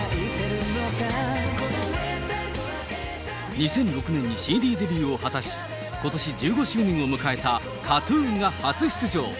２００６年にＣＤデビューを果たし、ことし１５周年を迎えたＫＡＴ−ＴＵＮが初出場。